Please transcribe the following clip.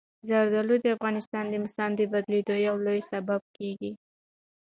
زردالو د افغانستان د موسم د بدلون یو لوی سبب کېږي.